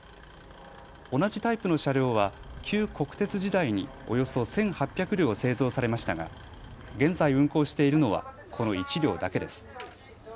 同じタイプの車両は旧国鉄時代におよそ１８００両製造されましたが現在運行しているのはこの１両だけです。